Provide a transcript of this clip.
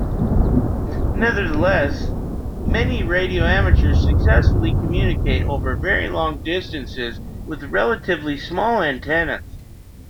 Nevertheless, many radio amateurs successfully communicate over very long distances with relatively small antennas.